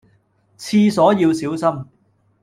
廁所要小心